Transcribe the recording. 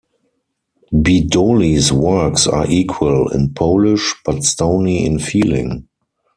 Bedoli's works are equal in polish, but stony in feeling.